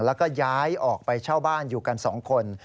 แล้วก็ย้ายออกไปเช่าบ้านอยู่กัน๒คน